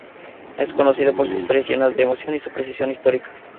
Es conocido por sus historias llenas de emoción y su precisión histórica.